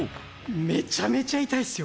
めちゃめちゃ痛いっすよ。